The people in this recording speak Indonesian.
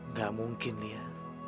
gak mungkin liat